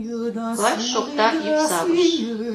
Лач шокта йӱксавыш: